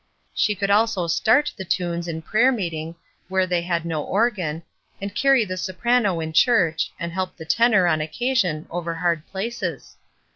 She could also ''start" the tunes in prayer meeting, where they had no organ, and carry the soprano in church, and help the tenor, on occasion, over hard places.